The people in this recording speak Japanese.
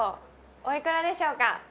おいくらでしょうか？